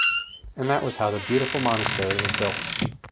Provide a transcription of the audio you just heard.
And that was how the beautiful monastery was built.